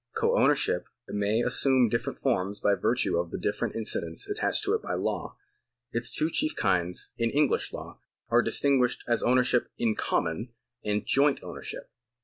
Co ownership may assume different forms by virtue of the different incidents attached to it by law. Its two chief kinds in English law are distinguished as ownership in common and joint ownership.